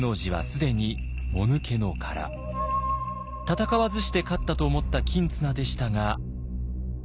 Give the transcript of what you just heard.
戦わずして勝ったと思った公綱でしたが。